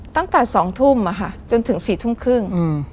ตั้งแต่๒ทุ่มจนถึง๔ทุ่มครึ่ง